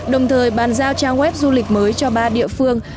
đồng thời bàn giao trang web du lịch mới cho ba địa phương